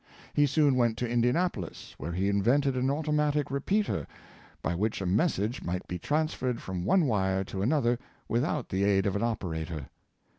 He soon went to Indianapolis, where he invented an automatic repeater, by which a message might be transferred from one wire to another without the aid of an operator.